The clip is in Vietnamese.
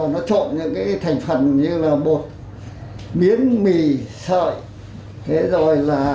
nó trộn những cái thành phần như là bột miếng mì sợi